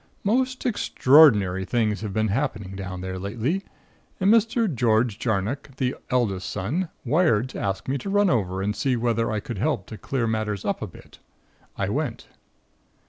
"Most extraordinary things have been happening down there lately and Mr. George Jarnock, the eldest son, wired to ask me to run over and see whether I could help to clear matters up a bit. I went.